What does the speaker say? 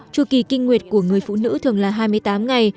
tru kỳ kinh nguyệt của người phụ nữ thường là hai mươi tám ngày